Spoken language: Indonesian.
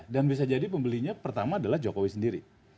dan bisa jadi pembelinya pertama adalah jokowi sendiri